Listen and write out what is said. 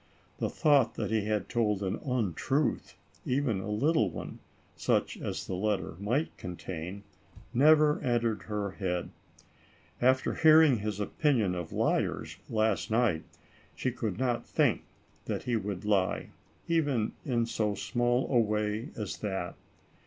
The thought that he had told an untruth, even a little one, such as the letter might contain, never entered her head. After hearing his opinion of liars, last night, she could not think that he would lie, even in so small a way as that.